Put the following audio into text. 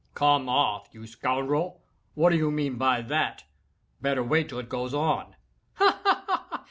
"Come off, you scoundrel!—what do you mean by that?—Better wait till it goes on." "Ha! ha!